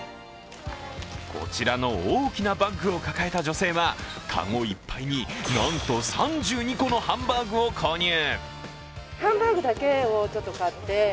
こちらの大きなバッグを抱えた女性は、籠いっぱいになんと３２個のハンバーグを購入。